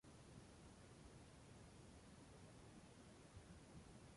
Poseen un margen ondulado.